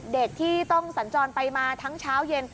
เด็กที่ต้องสัญจรไปมาทั้งเช้าเย็น